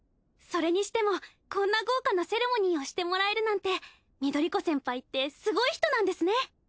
それにしてもこんな豪華なセレモニーをしてもらえるなんて翠子先輩ってすごい人なんですね。